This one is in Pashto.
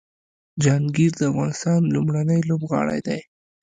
جهانګیر د افغانستان لومړنی لوبغاړی دی